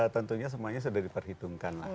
tentunya semuanya sudah diperhitungkan lah